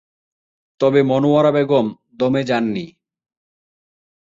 তবে মনোয়ারা বেগম দমে যাননি।